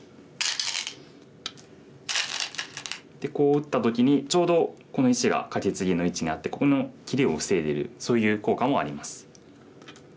でこう打った時にちょうどこの石がカケツギの位置にあってここの切りを防いでるそういう効果もあります。